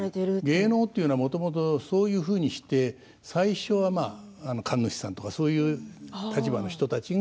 芸能というのはもともとそういうふうにして最初は神主さんとかそういう立場の人たちが